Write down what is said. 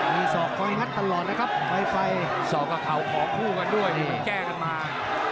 มีศอกคอยงัดตลอดนะครับไวไฟสอกกับเขาของคู่กันด้วยนี่มันแก้กันมา